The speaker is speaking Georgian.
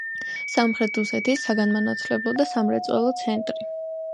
სამხრეთ რუსეთის საგანმანათლებლო და სამრეწველო ცენტრი.